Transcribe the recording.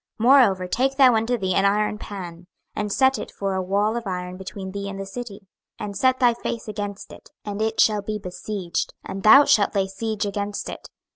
26:004:003 Moreover take thou unto thee an iron pan, and set it for a wall of iron between thee and the city: and set thy face against it, and it shall be besieged, and thou shalt lay siege against it.